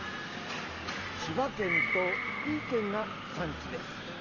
千葉県と福井県が産地です。